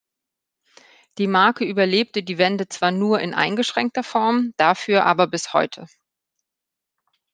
Die Marke überlebte die Wende zwar nur in eingeschränkter Form, dafür aber bis heute.